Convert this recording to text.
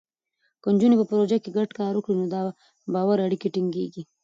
که نجونې په پروژو کې ګډ کار وکړي، نو د باور اړیکې ټینګېږي.